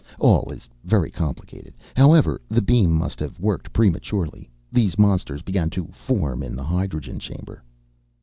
All very complicated. However the beam must have worked prematurely. These monsters began to form in the hydrogen chamber."